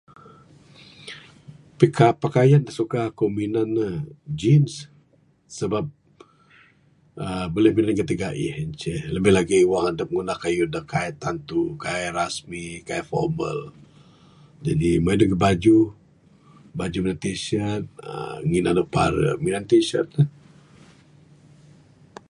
Pika pakayan da suka ku minan ne jeans, sabab aaa bila buleh gatik gaih en ceh labih lagi wang adep ngunah kayuh da kaik tantu kaik rasmi kaik formal. Jaji meng en lagi bajuh, bajuh t-shirt aaa ngin anu pare minan t-shirt lah.